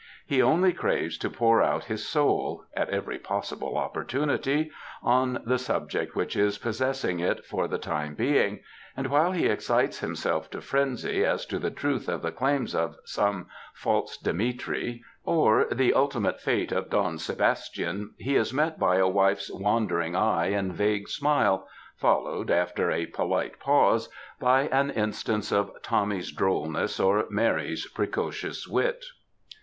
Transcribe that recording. He only craves to pour out his soul ŌĆö at every possible opportunity ŌĆö on the subject which is possessing it for the time being, and while he excites himself to frenzy as to the truth of the claims of some False Dmitri, or the ultimate fate of Don Sebastian, he is met by a wife^s wandering eye and vague smile, followed, after a polite pause, by an instance of Tommy'^s drollness or Mary'^s precocious wit.